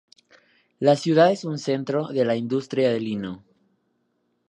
La ciudad es un centro de la industria del lino.